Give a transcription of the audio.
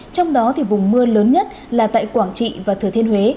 trong đó thì vùng mưa lớn nhất là tại quảng trị và thừa thiên huế